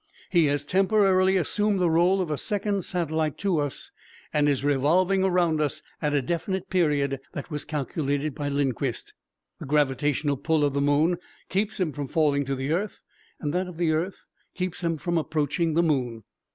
He has temporarily assumed the rôle of a second satellite to us and is revolving around us at a definite period that was calculated by Lindquist. The gravitational pull of the moon keeps him from falling to the earth and that of the earth keeps him from approaching the moon.